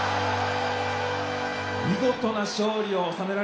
見事な勝利を収められました。